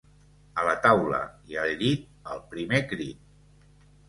A la taula i al llit al primer crit.